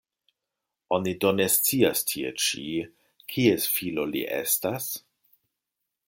Oni do ne scias tie ĉi, kies filo li estas?